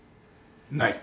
ない。